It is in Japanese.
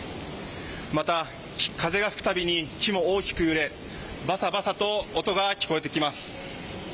また、風が吹くたびに木も大きく揺れバサバサと音が聞こえてきます。